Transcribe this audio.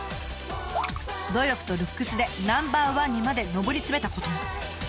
努力とルックスでナンバーワンにまで上り詰めたことも。